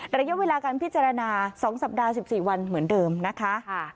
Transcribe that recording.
ระยะเวลาการพิจารณา๒สัปดาห์๑๔วันเหมือนเดิมนะคะ